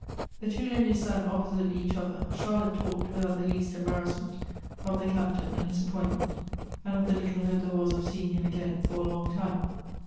The two ladies sat opposite each other; Charlotte talked, without the least embarrassment, of the Captain and his appointment, and of the little hope there was of seeing him again for a long time.